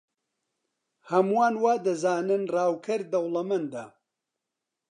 هەمووان وا دەزانن ڕاوکەر دەوڵەمەندە.